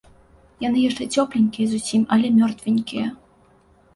Яны яшчэ цёпленькія зусім, але мёртвенькія.